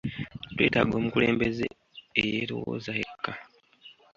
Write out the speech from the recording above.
Twetaaga omukulembeze eyerowozaako yekka?